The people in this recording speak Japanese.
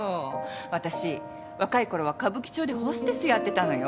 私若い頃は歌舞伎町でホステスやってたのよ。